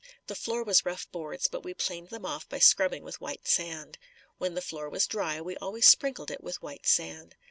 The floor was rough boards, but we planed them off by scrubbing with white sand. When the floor was dry, we always sprinkled it with white sand.